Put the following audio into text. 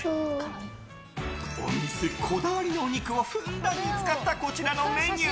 お店こだわりのお肉をふんだんに使ったこちらのメニュー。